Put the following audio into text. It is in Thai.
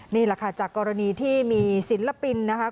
นี่แหละค่ะจากกรณีที่มีศิลปินนะคะ